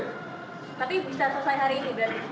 tapi bisa selesai hari ini berarti